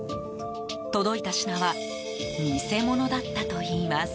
届いた品は偽物だったといいます。